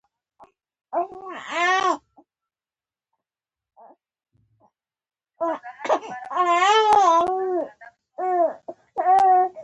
د امربالمعروف څار به چې پرې راغی کارټ به یې ښکاره کړ.